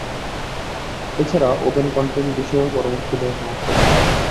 এছাড়া open content বিষয়েও পরামর্শ দেয়া সংস্থাটি।